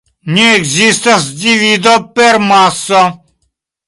Ne ekzistas divido per maso.